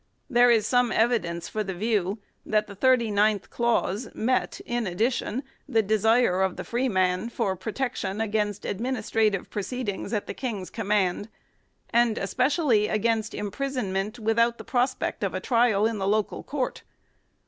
3 There is some evidence for the view that the thirty ninth clause met in addi tion the desire of the freeman for protection against administrative proceedings at the King's command, and especially against imprisonment without the prospect of a trial in the local court.